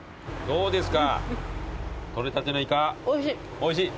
おいしい。